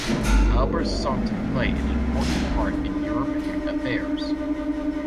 Albert sought to play an important part in European affairs.